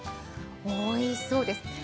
おいしそうです。